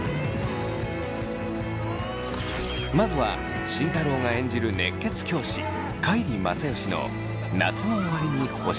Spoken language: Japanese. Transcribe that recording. まずは慎太郎が演じる熱血教師海里正義の「夏の終わりに、星を見る」。